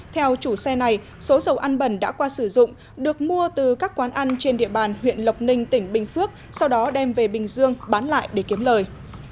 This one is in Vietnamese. theo chủ xe này số dầu ăn bẩn đã qua sử dụng được mua từ các quán ăn trên địa bàn huyện lộc ninh tỉnh bình phước sau đó đem về bình dương bán lại để kiếm lời